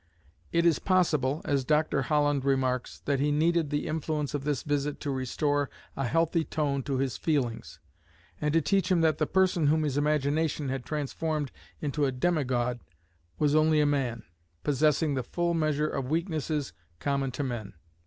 It is possible, as Dr. Holland remarks, that he "needed the influence of this visit to restore a healthy tone to his feelings, and to teach him that the person whom his imagination had transformed into a demigod was only a man, possessing the full measure of weaknesses common to men.